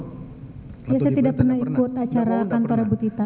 iya saya tidak pernah ikut acara kantor ibu tita